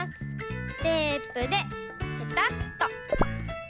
テープでペタっと。